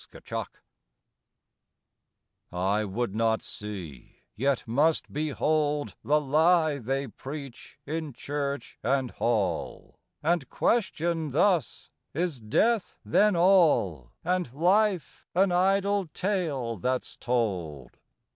WHEREFORE I would not see, yet must behold The lie they preach in church and hall; And question thus, Is death then all, And life an idle tale that's told?